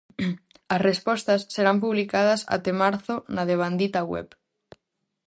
As respostas serán publicadas até marzo na devandita web.